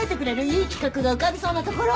いい企画が浮かびそうなところ。